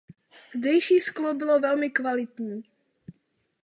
Zdejší sklo bylo velmi kvalitní.